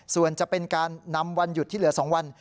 ส่วนจะเป็นการนำวันหยุดที่เหลือ๒วัน